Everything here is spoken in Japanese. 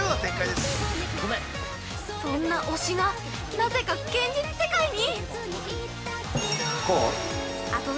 そんな推しがなぜか現実世界に！？